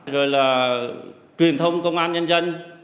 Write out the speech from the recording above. rồi là truyền thông công an nhân dân